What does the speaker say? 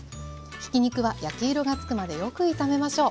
ひき肉は焼き色がつくまでよく炒めましょう。